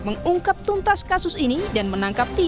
mengungkap tuntas kasus ini dan menangkap